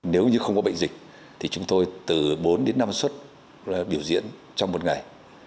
nếu như không có bệnh dịch thì chúng tôi từ bốn đến năm xuất biểu diễn trong một ngày